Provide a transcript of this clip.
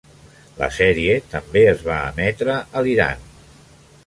La sèrie també es va emetre a l'Iran.